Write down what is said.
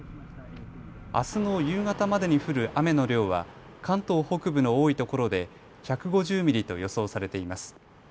あすの夕方までに降る雨の量は関東北部の多いところで１５０ミリと予想されています。